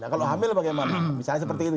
kalau hamil bagaimana misalnya seperti itu